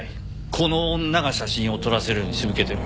この女が写真を撮らせるように仕向けてる。